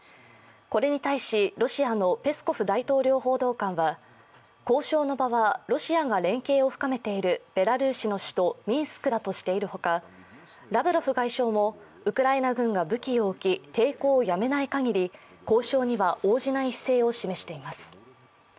これに対し、ロシアのペスコフ大統領報道官は交渉の場はロシアが連携を深めているベラルーシの首都ミンスクだとしているほかラブロフ外相もウクライナ軍が武器を置き抵抗をやめないかぎり交渉には応じない姿勢を示しています。